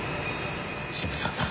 渋沢さん！